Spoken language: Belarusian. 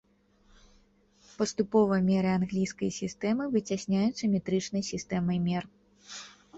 Паступова меры англійскай сістэмы выцясняюцца метрычнай сістэмай мер.